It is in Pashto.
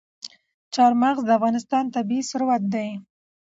چار مغز د افغانستان طبعي ثروت دی.